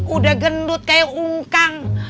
udah gendut kayak ungkang